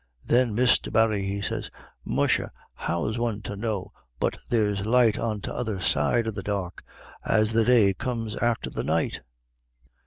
Thin Misther Barry, he sez: "Musha, how's wan to know but there's light On t'other side o' the dark, as the day comes afther the night?"